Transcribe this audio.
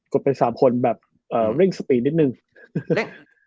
กดไป๓คนแบบเร่งสปีนิดนึง